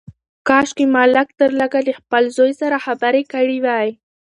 کاشکي ما لږ تر لږه له خپل زوی سره خبرې کړې وای.